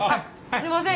すいません。